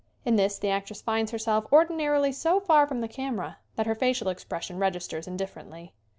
In this the actress finds herself ordinarily so far from the camera that her facial expression registers indifferently.